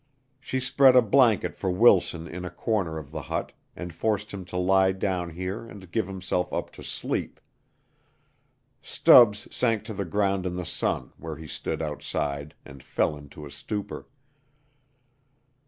She spread a blanket for Wilson in a corner of the hut and forced him to lie down here and give himself up to sleep. Stubbs sank to the ground in the sun where he stood outside and fell into a stupor.